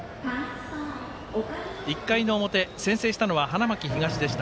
１回の表、先制したのは花巻東でした。